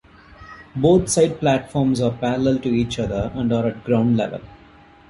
Both side platforms are parallel to each other and are at ground level.